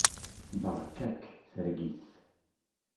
Beṛka-k targit.